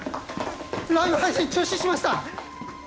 ライブ配信中止しました。